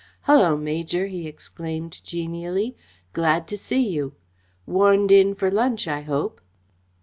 "Hullo, Major!" he exclaimed genially. "Glad to see you. Warned in for lunch, I hope."